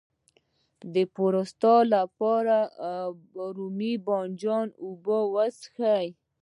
د پروستات لپاره د رومي بانجان اوبه وڅښئ